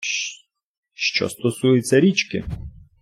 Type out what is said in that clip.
Що стосується річки.